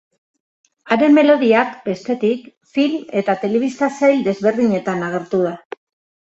Haren melodiak, bestetik, film eta telebista-sail desberdinetan agertu da.